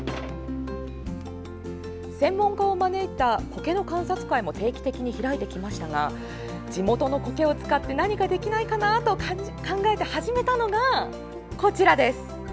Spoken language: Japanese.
専門家を招いたコケの観察会も定期的に開いてきましたが地元のコケを使って何かできないかなと考えて始めたのがこちらです。